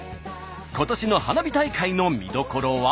今年の花火大会の見どころは。